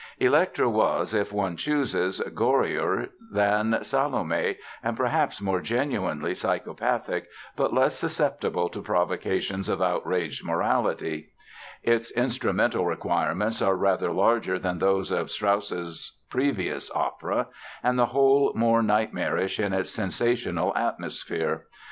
Elektra was, if one chooses, gorier than Salome and perhaps more genuinely psychopathic but less susceptible to provocations of outraged morality. Its instrumental requirements are rather larger than those of Strauss's previous opera and the whole more nightmarish in its sensational atmosphere.